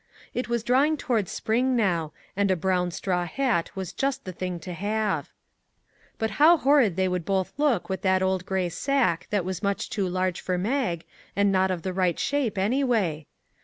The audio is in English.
It was drawing towards spring now, and a brown straw hat was just the thing to have. But how horrid they would both look with that old grey sack that was much too large for Mag, and not of the right shape anyway